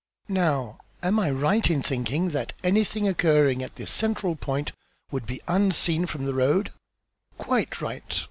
"Now am I right in thinking that anything occurring at this central point would be unseen from the road?" "Quite right.